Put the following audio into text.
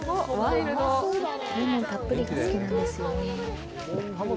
レモンたっぷりが好きなんですよね。